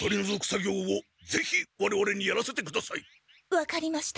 分かりました。